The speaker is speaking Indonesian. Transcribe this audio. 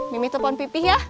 miemi telepon pipih ya